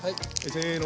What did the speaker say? せの！